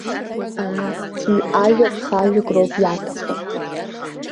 Аа, ҩ-ажәак, х-ажәак роуп иаҭаху.